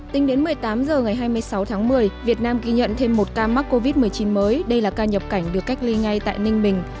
tính đến một mươi tám h ngày hai mươi sáu tháng một mươi việt nam ghi nhận thêm một ca mắc covid một mươi chín mới đây là ca nhập cảnh được cách ly ngay tại ninh bình